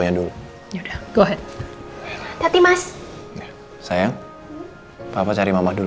iya lokasi berbicara tuhsur